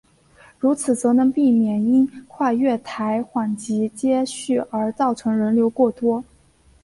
如此则能避免因跨月台缓急接续而造成人流过多。